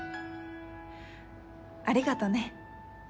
ありがとね。